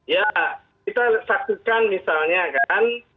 ya kita saksikan misalnya kan